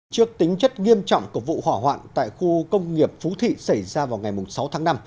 trước tính chất nghiêm trọng của vụ hỏa hoạn tại khu công nghiệp phú thị xảy ra vào ngày sáu tháng năm